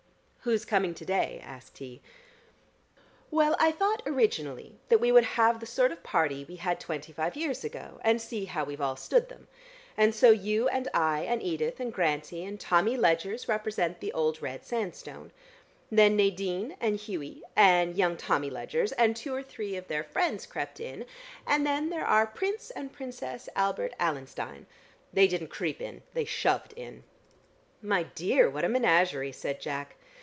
"Who is coming to day?" asked he. "Well, I thought originally that we would have the sort of party we had twenty five years ago, and see how we've all stood them; and so you and I and Edith and Grantie and Tommy Ledgers represent the old red sandstone. Then Nadine and Hughie and young Tommy Ledgers and two or three of their friends crept in, and then there are Prince and Princess Albert Allenstein. They didn't creep in: they shoved in." "My dear, what a menagerie," said Jack.